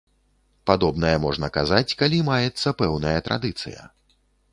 Падобнае можна казаць, калі маецца пэўная традыцыя.